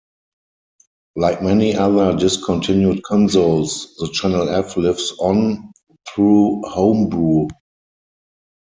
Like many other discontinued consoles, the Channel F lives on through homebrew.